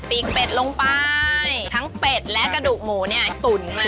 ปีกเป็ดลงไปทั้งเป็ดและกระดูกหมูเนี่ยตุ๋นมา